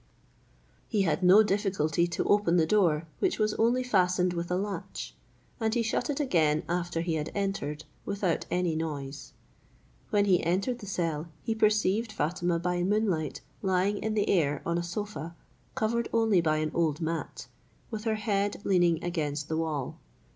He had no difficulty to open the door, which was only fastened with a latch, and he shut it again after he had entered, without any noise. When he entered the cell, he perceived Fatima by moonlight lying in the air on a sofa covered only by an old mat, with her head leaning against the wall.